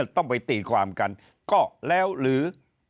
ต้องไปตีความกันก็แล้วหรือ